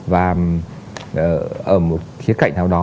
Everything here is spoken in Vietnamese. và ở một khía cạnh nào đó